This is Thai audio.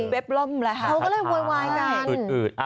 เว็บเริ่มเลยค่ะ